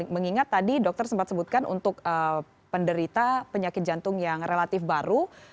mengingat tadi dokter sempat sebutkan untuk penderita penyakit jantung yang relatif baru